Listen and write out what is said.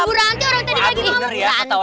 ibu ranti orang tadi lagi ngamuk